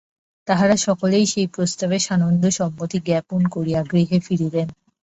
তাঁহারা সকলে সেই প্রস্তাবে সানন্দ সম্মতি জ্ঞাপন করিয়া গৃহে ফিরিলেন।